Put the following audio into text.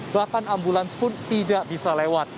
bahkan ambulans pun tidak bisa lewat